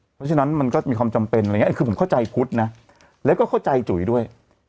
เพราะฉะนั้นมันก็มีความจำเป็นอะไรอย่างนี้คือผมเข้าใจพุทธนะแล้วก็เข้าใจจุ๋ยด้วย